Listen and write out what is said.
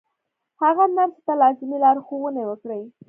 هغه نرسې ته لازمې لارښوونې وکړې